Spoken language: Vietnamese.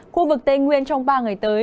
khu vực tây nguyên trong ba ngày tới